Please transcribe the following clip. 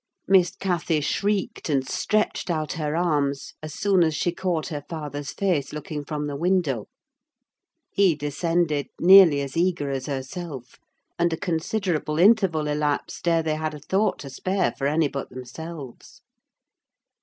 Miss Cathy shrieked and stretched out her arms as soon as she caught her father's face looking from the window. He descended, nearly as eager as herself; and a considerable interval elapsed ere they had a thought to spare for any but themselves.